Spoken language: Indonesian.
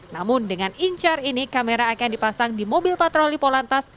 namun dengan incar ini kamera akan dipasang di mobil patroli polantas